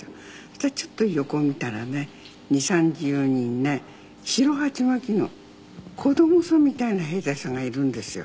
そしたらちょっと横を見たらね２０３０人ね白鉢巻きの子供さんみたいな兵隊さんがいるんですよ。